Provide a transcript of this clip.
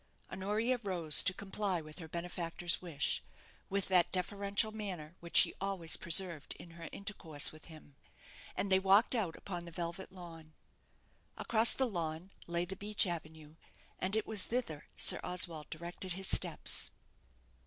Honoria rose to comply with her benefactor's wish, with that deferential manner which she always preserved in her intercourse with him, and they walked out upon the velvet lawn. Across the lawn lay the beech avenue, and it was thither Sir Oswald directed his steps.